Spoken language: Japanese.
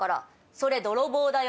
それ泥棒だよ。